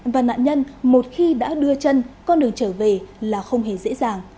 và nạn nhân một khi đã đưa chân con đường trở về là không hề dễ dàng